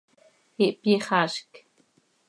Ihpyixaazc.